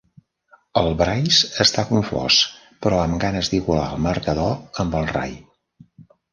El Brice està confós, però amb ganes d'igualar el marcador amb el Ray.